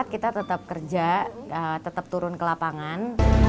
dua ribu dua puluh empat kita tetap kerja tetap turun ke lapangan